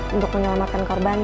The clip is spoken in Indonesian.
untuk menyelamatkan korban